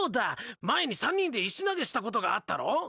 前に３人で石投げしたことがあったろ？